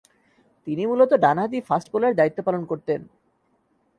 তিনি মূলতঃ ডানহাতি ফাস্ট বোলারের দায়িত্ব পালন করতেন।